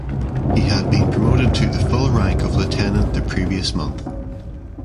He had been promoted to the full rank of lieutenant the previous month.